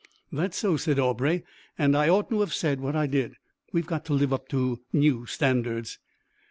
"That's so," said Aubrey, "and I oughtn't to have said what I did. We've got to live up to new standards."